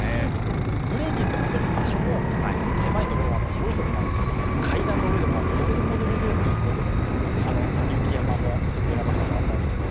ブレイキンって本当に場所も狭いところもあれば広いとこもあるし階段の上でもあるしどこでも踊れるよっていうことであの雪山もちょっと選ばせてもらったんですけど。